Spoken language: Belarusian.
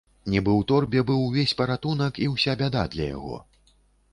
Нібы ў торбе быў увесь паратунак і ўся бяда для яго.